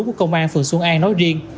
của công an phường xuân an nói riêng